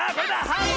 はい。